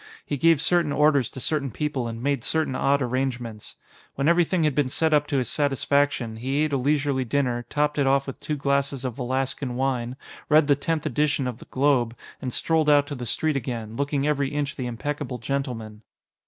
He gave certain orders to certain people and made certain odd arrangements. When everything had been set up to his satisfaction, he ate a leisurely dinner, topped it off with two glasses of Velaskan wine, read the tenth edition of the Globe, and strolled out to the street again, looking every inch the impeccable gentleman.